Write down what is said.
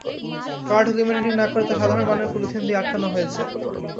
Card laminating না করে তা সাধারণ মানের পলিথিন দিয়ে আটকানো হয়েছে।